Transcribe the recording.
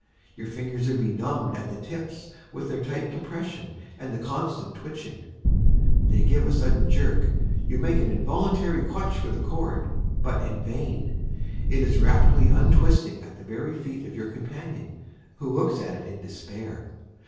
Your fingers are benumbed at the tips with their tight compression, and the constant twitching. They give a sudden jerk. You make an involuntary clutch for the cord, but in vain. It is rapidly untwisting at the very feet of your companion, who looks at it in despair.